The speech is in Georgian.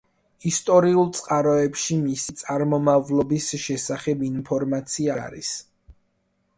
ისტორიულ წყაროებში მისი წარმომავლობის შესახებ ინფორმაცია არ არის.